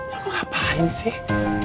lu ngapain sih